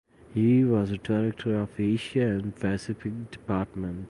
He was director of Asia and Pacific Department.